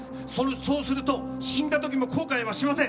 そうすると死んだ時も後悔はしません。